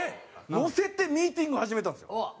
のせてミーティング始めたんですよ。